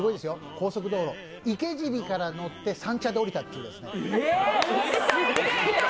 高速道路、池尻から乗って三茶で降りたというね。